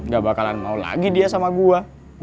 gak bakalan mau lagi dia sama gue